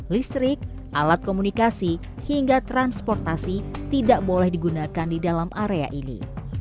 listrik alat komunikasi hingga transportasi tidak boleh digunakan di dalam area ini